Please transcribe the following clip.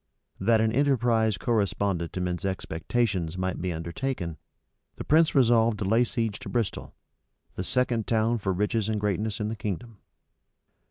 That an enterprise correspondent to men's expectations might be undertaken, the prince resolved to lay siege to Bristol, the second town for riches and greatness in the kingdom.